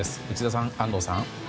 内田さん、安藤さん。